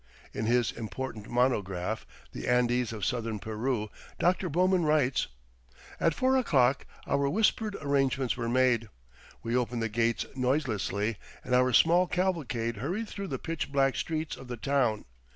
In his important monograph, "The Andes of Southern Peru," Dr. Bowman writes: "At four o'clock our whispered arrangements were made. We opened the gates noiselessly and our small cavalcade hurried through the pitch black streets of the town.